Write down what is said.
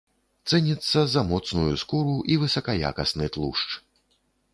Цэніцца за моцную скуру і высакаякасны тлушч.